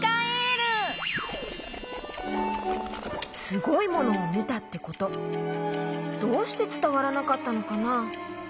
すごいものをみたってことどうしてつたわらなかったのかな？